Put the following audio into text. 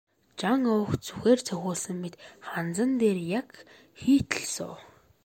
Жан овогт сүхээр цохиулсан мэт ханзан дээр яг хийтэл суув.